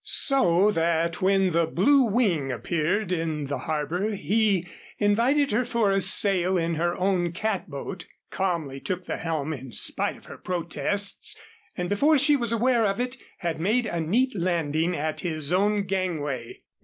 So that when the Blue Wing appeared in the harbor, he invited her for a sail in her own catboat, calmly took the helm in spite of her protests, and before she was aware of it, had made a neat landing at his own gangway.